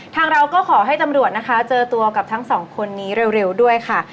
ทางเราก็ขอให้ตำรวจนะคะเจอตัวกับทั้งสองคนนี้เร็วด้วยค่ะ